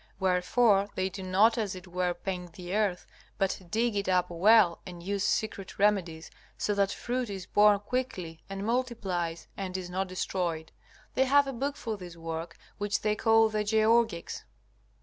Wherefore they do not as it were paint the earth, but dig it up well and use secret remedies, so that fruit is borne quickly and multiplies, and is not destroyed. They have a book for this work, which they call the Georgics.